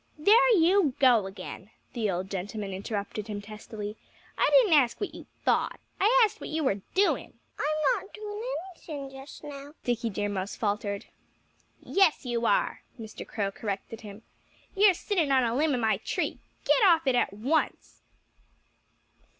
"There you go again!" the old gentleman interrupted him testily. "I didn't ask you what you thought. I asked you what you were doing." "I'm not doing anything just now," Dickie Deer Mouse faltered. "Yes, you are!" Mr. Crow corrected him. "You're sitting on a limb of my tree.... Get off it at once!"